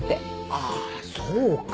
あそうか！